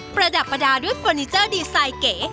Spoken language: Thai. ระดับประดาษด้วยเฟอร์นิเจอร์ดีไซน์เก๋